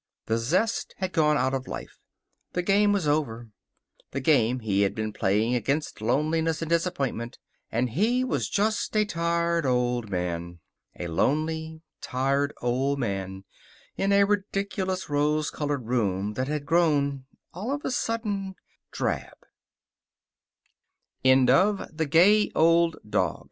The zest had gone out of life. The game was over the game he had been playing against loneliness and disappointment. And he was just a tired old man. A lonely, tired old man in a ridiculous rose colored room that had grown, all of a sudden, drab That's Marriage Theresa Platt (she had been Terr